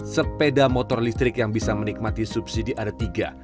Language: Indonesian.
sepeda motor listrik yang bisa menikmati subsidi ada tiga